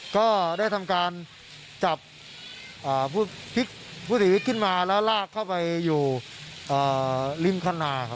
ก็ได้ทำการจับผู้เสียชีวิตขึ้นมาแล้วลากเข้าไปอยู่ริมคณาครับ